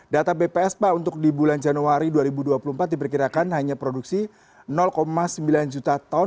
data bps pak untuk di bulan januari dua ribu dua puluh empat diperkirakan hanya produksi sembilan juta ton